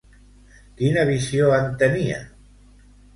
Quina visió en tenien?